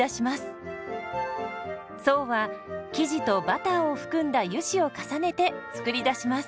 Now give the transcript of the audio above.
層は生地とバターを含んだ油脂を重ねて作り出します。